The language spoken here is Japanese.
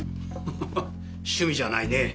ハハハ趣味じゃないね。